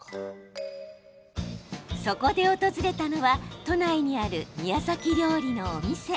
そこで訪れたのは都内にある宮崎料理のお店。